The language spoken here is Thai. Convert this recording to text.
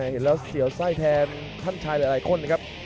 เห็นแล้วเสียวไส้แทนท่านชายหลายคนนะครับ